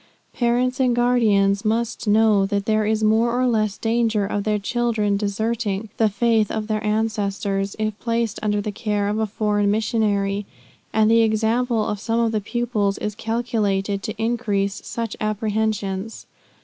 Parents and guardians must know that there is more or less danger of their children deserting the faith of their ancestors, if placed under the care of a Foreign Missionary; and the example of some of the pupils is calculated to increase such apprehensions.